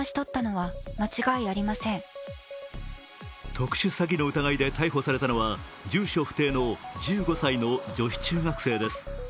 特殊詐欺の疑いで逮捕されたのは住所不定の１５歳の女子中学生です。